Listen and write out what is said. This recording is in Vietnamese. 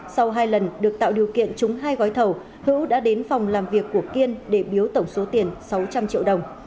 sau hai lần được tạo điều kiện trúng hai gói thầu hữu đã đến phòng làm việc của kiên để biếu tổng số tiền sáu trăm linh triệu đồng